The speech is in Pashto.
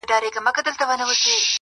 خاموش ذهن روښانه مسیر جوړوي